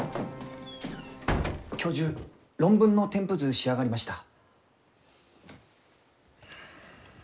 教授論文の添付図仕上がりました。